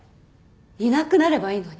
いなくなればいいのに。